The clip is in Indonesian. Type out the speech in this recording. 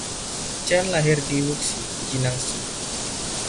Chen lahir di Wuxi, Jinangsu.